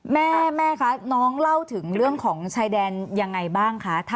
แม่แม่คะน้องเล่าถึงเรื่องของชายแดนยังไงบ้างคะ